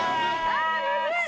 ああむずい。